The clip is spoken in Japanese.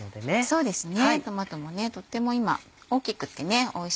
そうですね。